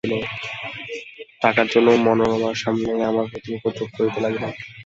টাকার জন্য মনোরমার সামনেই আমার প্রতি উপদ্রব করিতে লাগিল।